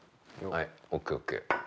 はいＯＫＯＫ！